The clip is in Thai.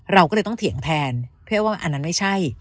เราก็เลยต้องเถียงแทนเพื่อว่าอันนั้นไม่ใช่